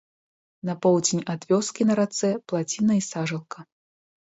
На поўдзень ад вёскі на рацэ плаціна і сажалка.